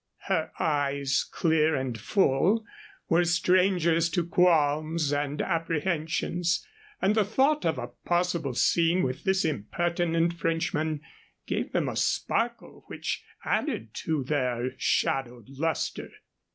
Her eyes, clear and full, were strangers to qualms and apprehensions, and the thought of a possible scene with this impertinent Frenchman gave them a sparkle which added to their shadowed luster.